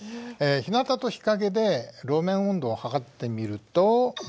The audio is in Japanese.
ひなたと日陰で路面温度を測ってみると。